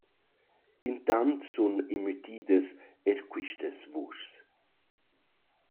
Intant sun immütidas eir quistas vuschs.